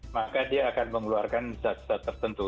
maka dia akan mengeluarkan zat zat tertentu